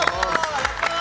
・やったー